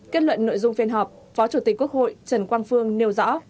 kết luận nội dung phiên họp phó chủ tịch quốc hội trần quang phương nêu rõ